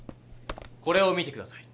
これを見て下さい。